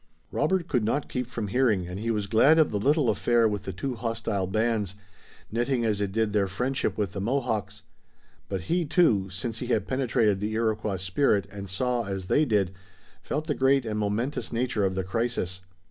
Robert could not keep from hearing and he was glad of the little affair with the two hostile bands, knitting as it did their friendship with the Mohawks. But he too, since he had penetrated the Iroquois spirit and saw as they did, felt the great and momentous nature of the crisis.